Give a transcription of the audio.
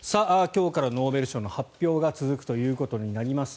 今日からノーベル賞の発表が続くということになります。